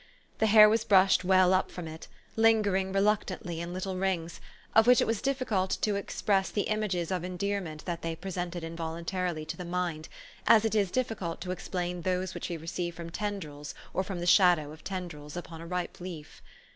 The hair was brushed well up from it, lingering re luctantly in little rings, of which it was difficult to 168 'THE STORY OF AVIS. express the images of endearment that they pre sented involuntarily to the mind, as it is difficult to explain those which we receive from tendrils or from the shadow of tendrils upon a ripe leaf.